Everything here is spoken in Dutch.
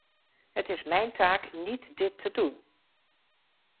Het is mijn taak niet dit te doen.